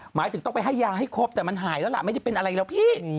หมายถึงต้องไปให้ยาให้ครบแต่มันหายแล้วล่ะไม่ได้เป็นอะไรแล้วพี่